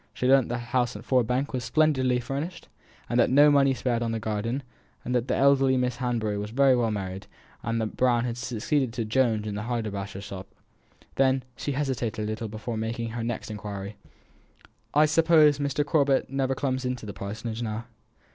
She learnt that the house at Ford Bank was splendidly furnished, and no money spared on the garden; that the eldest Miss Hanbury was very well married; that Brown had succeeded to Jones in the haberdasher's shop. Then she hesitated a little before making her next inquiry: "I suppose Mr. Corbet never comes to the Parsonage now?"